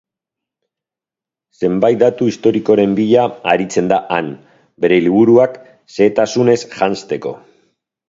Zenbait datu historikoren bila aritzen da han, bere liburuak xehetasunez janzteko.